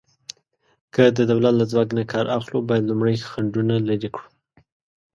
که د دولت له ځواک نه کار اخلو، باید لومړی خنډونه لرې کړو.